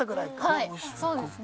はいそうですね。